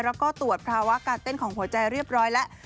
แล้วก็ตรวจภาวะการเต้นของหัวใจเรียบร้อยแล้ว